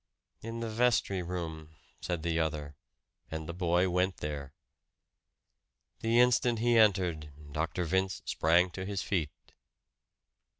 "In the vestry room," said the other; and the boy went there. The instant he entered, Dr. Vince sprang to his feet.